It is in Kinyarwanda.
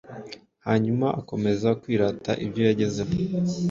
hanyuma akomeza kwirata ibyo yagezeho